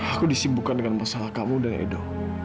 aku disibukkan dengan masalah kamu dan edo